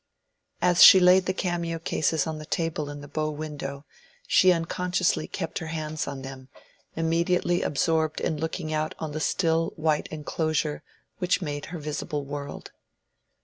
As she laid the cameo cases on the table in the bow window, she unconsciously kept her hands on them, immediately absorbed in looking out on the still, white enclosure which made her visible world.